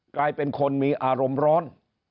กลายเป็นคนมีอารมณ์ร้อน